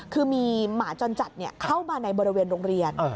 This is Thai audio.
คือมีหมาจรจัดเข้ามาในบริเวณโรงเรียน